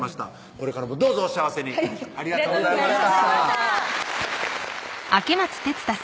これからもどうぞお幸せにありがとうございました